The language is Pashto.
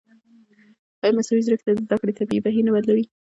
ایا مصنوعي ځیرکتیا د زده کړې طبیعي بهیر نه بدلوي؟